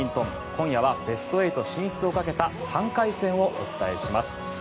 今夜はベスト８進出をかけた３回戦をお伝えします。